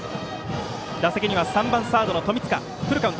打席には３番サードの富塚。